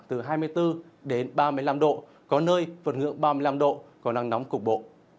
từ hai mươi bốn đến ba mươi năm độ có nơi vượt ngưỡng ba mươi năm độ có nắng nóng cục bộ